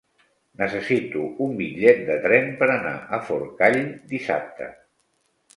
Necessito un bitllet de tren per anar a Forcall dissabte.